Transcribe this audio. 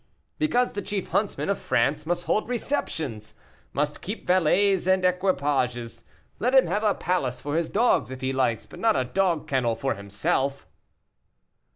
"Because the chief huntsman of France must hold receptions must keep valets and equipages. Let him have a palace for his dogs, if he likes, but not a dog kennel for himself."